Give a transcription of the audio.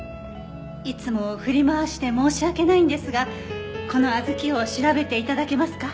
いつも振り回して申し訳ないんですがこの小豆を調べて頂けますか？